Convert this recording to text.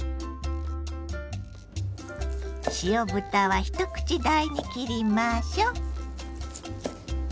塩豚は一口大に切りましょう。